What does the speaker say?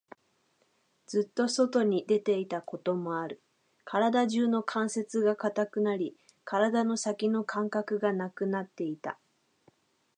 ずっと外に出ていたこともある。体中の関節が堅くなり、体の先の感覚がなくなっていた。